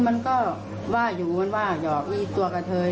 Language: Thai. มันใจดีอยู่ไม่เอาโทษสิกรรมเลย